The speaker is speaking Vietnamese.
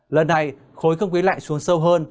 lần này khối không quý lạnh xuống sâu hơn